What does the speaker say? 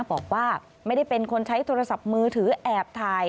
บอกว่าไม่ได้เป็นคนใช้โทรศัพท์มือถือแอบถ่าย